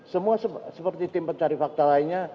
semua seperti tim pencari fakta lainnya